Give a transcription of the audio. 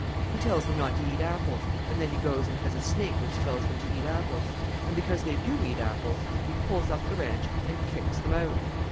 He tells them not to eat apples and then He goes and has a snake which tells them to eat apples. And because they do eat apples He pulls up the ranch and kicks them out.